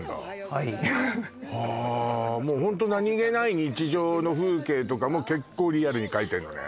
はいはあもうホント何気ない日常の風景とかも結構リアルに描いてるのね